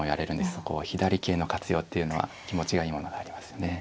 そこ左桂の活用っていうのは気持ちがいいものがありますよね。